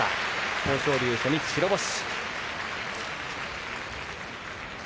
豊昇龍、初日白星。